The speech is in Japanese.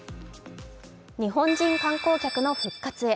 日本人観光客の復活へ。